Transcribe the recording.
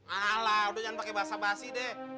alah udah jangan pakai basa basi deh